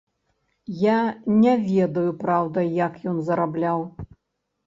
Я не ведаю, праўда, як ён зарабляў.